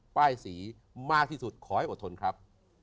ป้ายสีมากที่สุดขอให้อดทนครับ